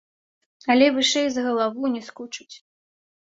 Але вышэй за галаву не скочыць.